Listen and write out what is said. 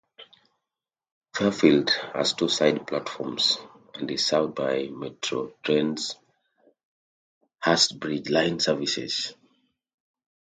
Fairfield has two side platforms, and is served by Metro Trains' Hurstbridge line services.